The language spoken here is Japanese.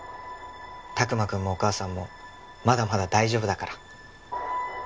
拓磨くんもお母さんもまだまだ大丈夫だから。